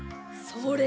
それ！